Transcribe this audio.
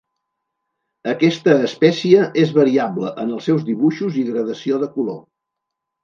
Aquesta espècie és variable en els seus dibuixos i gradació de color.